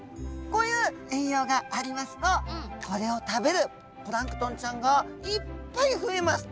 こういう栄養がありますとこれを食べるプランクトンちゃんがいっぱい増えます。